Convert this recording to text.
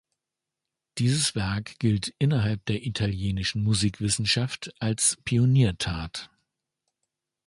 Dieses Werk gilt innerhalb der italienischen Musikwissenschaft als Pioniertat.